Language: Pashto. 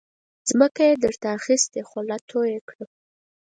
ځمکه مې در ته اخستې خوله تویه کړه.